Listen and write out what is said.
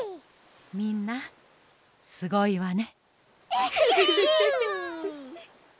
みんなすごいわね。